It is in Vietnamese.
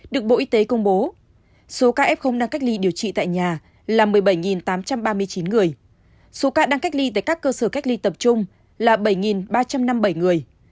được bộ y tế công bố số ca f đang cách ly điều trị tại nhà là một mươi bảy tám trăm ba mươi chín người số ca đang cách ly tại các cơ sở cách ly tập trung là bảy ba trăm năm mươi bảy người